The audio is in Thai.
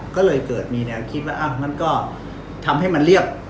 ก็เลยเกิดมีแนวคิดว่ามันก็ทำให้มันเรียบ